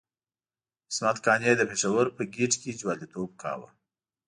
عصمت قانع د پېښور په ګېټ کې جواليتوب کاوه.